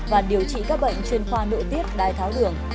và điều trị các bệnh chuyên khoa nội tiết đai tháo đường